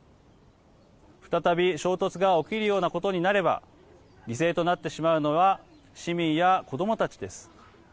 再び衝突が起きるようなことがあれば犠牲となってしまうのは市民や子どもたちです。